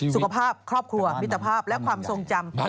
สุขภาพครอบครัวมิตรภาพและความทรงจำ